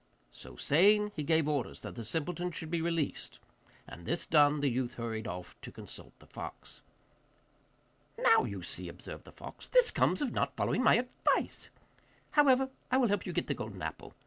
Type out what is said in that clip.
So saying, he gave orders that the simpleton should be released, and this done, the youth hurried off to consult the fox. 'Now you see,' observed the fox, 'this comes of not following my advice. However, I will help you to get the golden apple.